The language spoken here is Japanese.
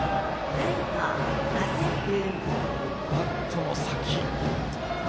バットの先。